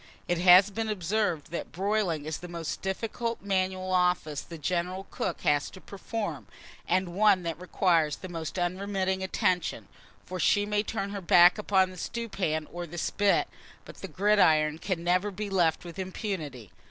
It has been observed, that broiling is the most difficult manual office the general cook has to perform, and one that requires the most unremitting attention; for she may turn her back upon the stewpan or the spit, but the gridiron can never be left with impunity.